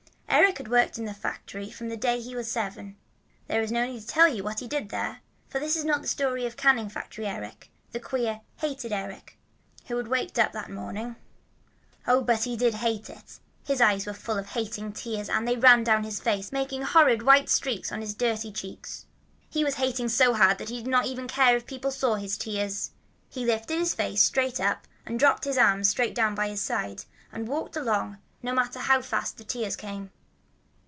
Eric had worked in that factory from the day he was seven. There is no need to tell you what he did there, for this is not the story of the canning factory Eric, the queer, hating Eric who had waked up that morning. But how he did hate! His eyes were full of hating tears, and they were running down his face, making horrid white streaks on his dirty cheeks. He was hating so hard that he did not even care if people saw his tears. He lifted his face straight up and dropped his arms straight down at his side and walked right along, no matter how fast the tears came.